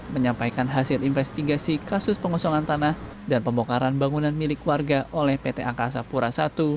menyampaikan hasil investigasi kasus pengosongan tanah dan pembongkaran bangunan milik warga oleh pt angkasa pura i